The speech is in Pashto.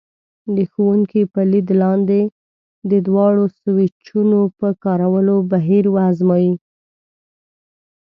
د ښوونکي په لید لاندې د دواړو سویچونو د کارولو بهیر وازمایئ.